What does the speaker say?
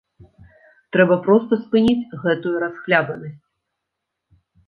Трэба проста спыніць гэтую расхлябанасць!